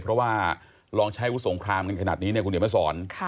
เพราะว่าลองใช้วุสงครามกันขนาดนี้เนี่ยคุณเดี๋ยวมาสอน